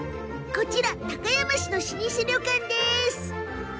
こちら、高山市の老舗旅館です。